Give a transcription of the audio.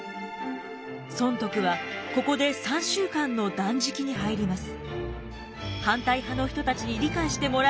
尊徳はここで３週間の断食に入ります。